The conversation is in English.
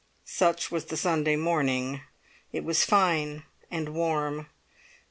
Such was the Sunday morning. It was fine and warm. Dr.